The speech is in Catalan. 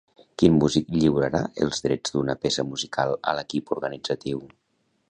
Quin músic lliurarà els drets d'una peça musical a l'equip organitzatiu?